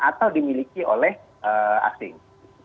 atau dimiliki oleh asing